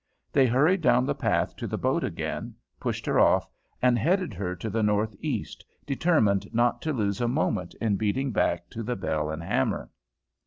They hurried down the path to the boat again, pushed her off, and headed her to the northeast determined not to lose a moment in beating back to the Bell and Hammer.